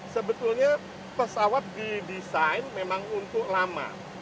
sebetulnya pesawat didesain memang untuk lama